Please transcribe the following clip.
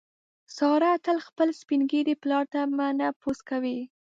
ساره تل خپل سپین ږیري پلار ته مڼه پوست کوي.